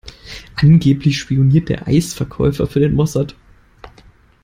Angeblich spioniert der Eisverkäufer für den Mossad.